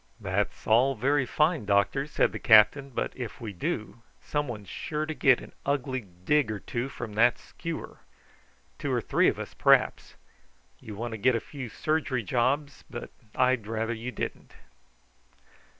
"That's all very fine, doctor," said the captain; "but if we do some one's sure to get an ugly dig or two from that skewer. Two or three of us p'r'aps. You want to get a few surgery jobs, but I'd rather you didn't."